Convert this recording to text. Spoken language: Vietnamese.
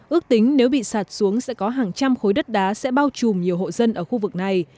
ước tính nếu bị sạt xuống sẽ có hàng trăm khối đất đá sẽ bao trùm nhiều hộ dân ở khu vực này